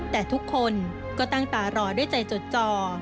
แต่ทุกคนก็ตั้งตารอด้วยใจจดจอ